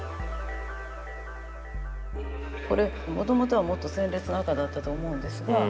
これもともとはもっと鮮烈な赤だったと思うんですが。